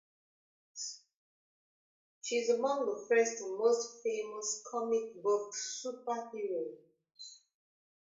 She is among the first and most famous comic book superheroines.